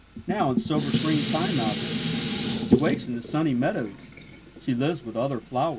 Now in silver sprmg time hours. She wakes in the sunny meadows, She lives with other flowers.